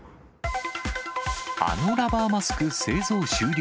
あのラバーマスク製造終了。